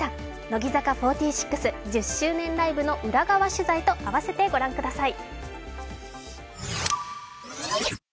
乃木坂４６、１０周年ライブの裏側取材と併せてご覧ください。